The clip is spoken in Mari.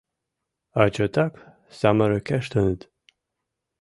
А чотак самырыкештыныт.